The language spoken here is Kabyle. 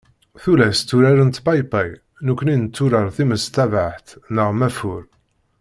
Tullas tturarent paypay, nekkni netturar timestabeɛt neɣ maffur.